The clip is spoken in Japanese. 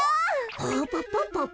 パパパパプ。